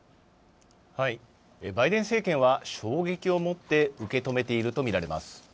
バイデン政権は衝撃を持って受け止めていると見られます。